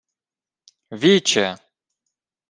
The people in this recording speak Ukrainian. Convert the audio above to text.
— Віче!